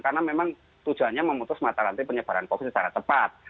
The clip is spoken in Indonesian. karena memang tujuannya memutus mata rantai penyebaran covid secara tepat